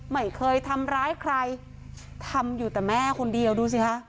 ไม่เคยทำร้ายใครทำอยู่แต่แม่คนเดียวดูสิคะ